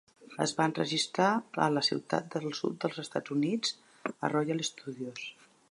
Es va enregistrar a la ciutat del sud dels Estats Units a Royal Studios.